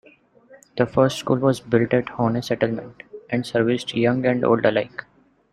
The first school was built at Horne Settlement, and serviced young and old alike.